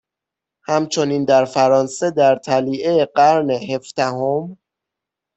همچنین در فرانسه در طلیعه قرن هفدهم